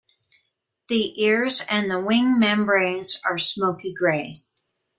The ears and the wing membranes are smoky grey.